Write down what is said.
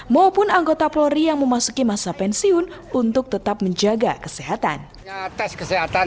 mencari kemampuan untuk mencari kemampuan